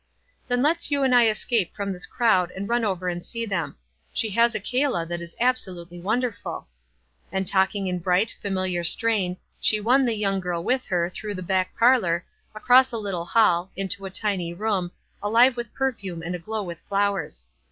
" Then let's you and I escape from this crowd and run over and see them. She has a calla that is absolutely wonderful." And talking in bright, familiar strain, she won the young girl with her, through the back parlor, across a little hall, into a tiny room, alive with perfume and aglow with flowers.